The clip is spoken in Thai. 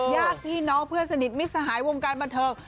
ญาติพี่น้องเพื่อนสนิทมิสหายวงการบันเทิง